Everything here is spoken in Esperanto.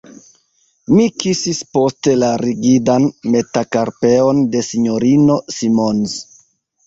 Mi kisis poste la rigidan metakarpeon de S-ino Simons.